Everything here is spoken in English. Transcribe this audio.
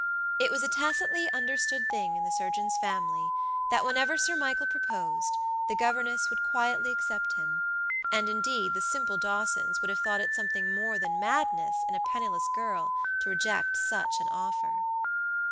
It was a tacitly understood thing in the surgeon's family that whenever Sir Michael proposed, the governess would quietly accept him; and, indeed, the simple Dawsons would have thought it something more than madness in a penniless girl to reject such an offer.